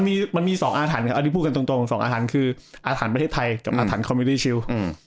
มันมี๒อาถรรภ์ค่ะอาถรรภ์ประเทศไทยกับอาถรรภ์คอมมิลลี่ชิล